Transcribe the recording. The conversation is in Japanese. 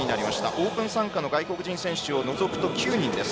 オープン参加の外国人選手を除くと９人です。